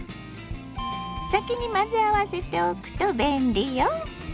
先に混ぜ合わせておくと便利よ。